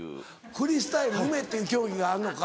フリースタイルウメっていう競技があんのか。